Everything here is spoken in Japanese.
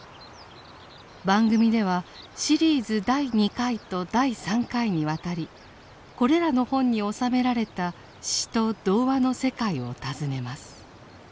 番組ではシリーズ第２回と第３回にわたりこれらの本に収められた詩と童話の世界を訪ねます。